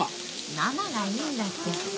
生がいいんだって。